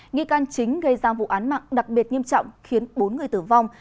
nghi can chính gây ra vụ án mạng đặc biệt nghiêm trọng khiến bốn người tử vong